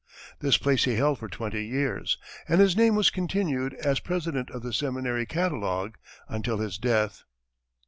This place he held for twenty years, and his name was continued as president in the seminary catalogue, until his death.